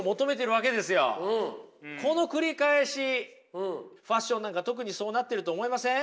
今はファッションなんか特にそうなってると思いません？